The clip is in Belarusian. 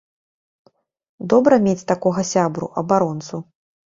Добра мець такога сябру-абаронцу!